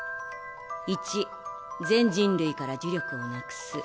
１全人類から呪力をなくす。